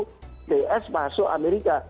bts masuk amerika